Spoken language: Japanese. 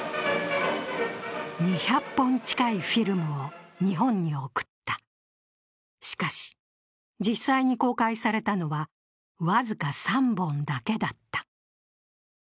２００本近いフィルムを日本に送ったしかし、実際に公開されたのは僅か３本だけだった。